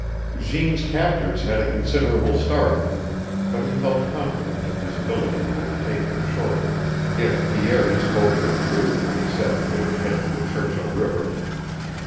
Jeanne's captors had a considerable start of him, but he felt confident of his ability to overtake them shortly if Pierre had spoken with truth when he said that they would head for the Churchill River.